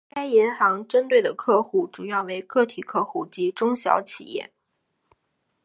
该银行所针对的客户主要为个体客户及中小企业。